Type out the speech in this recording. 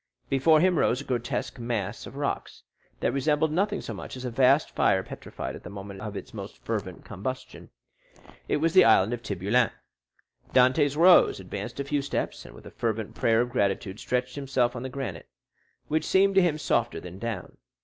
Before him rose a grotesque mass of rocks, that resembled nothing so much as a vast fire petrified at the moment of its most fervent combustion. It was the Island of Tiboulen. Dantès rose, advanced a few steps, and, with a fervent prayer of gratitude, stretched himself on the granite, which seemed to him softer than down.